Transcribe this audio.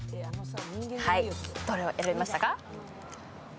どれを選びましたか？